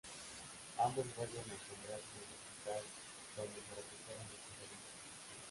Ambos vuelven a encontrarse en el hospital donde se recuperan de sus heridas.